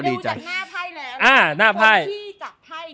คนที่จัดให้ชุดนี้